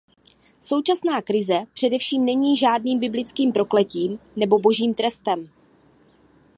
Současná krize především není žádným biblickým prokletím nebo božím trestem.